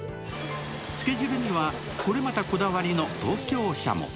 つけ汁には、これまたこだわりの東京しゃも。